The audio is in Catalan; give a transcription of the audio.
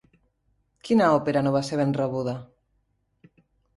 Quina òpera no va ser ben rebuda?